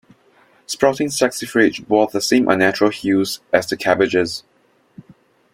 Sprouting saxifrage bore the same unnatural hues as the cabbages.